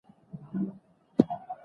زه له خلکو بخښنه منم.